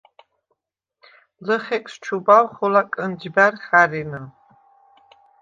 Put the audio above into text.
ლჷხეკს ჩუბავ ხოლა კჷნჯბა̈რ ხა̈რენა.